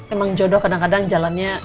emang jodoh kadang kadang jalannya